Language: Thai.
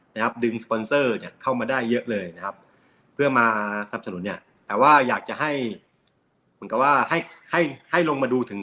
นะครับดึงสปอนเซอร์เนี่ยเข้ามาได้เยอะเลยนะครับเพื่อมาสนับสนุนเนี่ยแต่ว่าอยากจะให้เหมือนกับว่าให้ให้ลงมาดูถึง